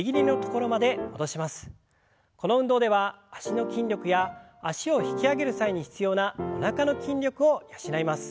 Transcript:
この運動では脚の筋力や脚を引き上げる際に必要なおなかの筋力を養います。